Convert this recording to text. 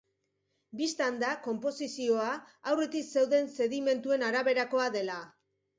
Bistan da konposizioa aurretik zeuden sedimentuen araberakoa dela.